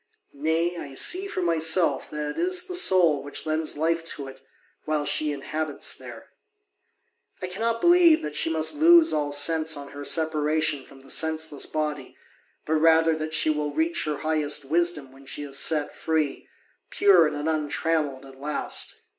Nay, I see for myself that it is the soul which lends life to it, while she inhabits there. I cannot believe that she must lose all sense on her separation from the senseless body, but rather that she will reach her highest wisdom when she is set free, pure and untrammelled at last.